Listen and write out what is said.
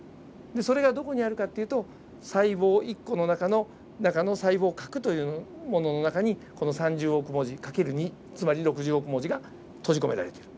それがどこにあるかっていうと細胞１個の中の細胞核というものの中にこの３０億文字掛ける２つまり６０億文字が閉じ込められている。